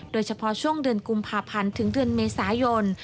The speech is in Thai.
โดยเฉพาะช่วงเดือนกุมภาพันธ์ถึงเดือนเมษายน